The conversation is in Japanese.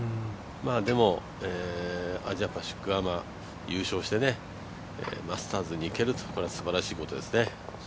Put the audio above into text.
でも、アジアパシフィックアマ優勝してマスターズに行けると、これはすばらしいことですね。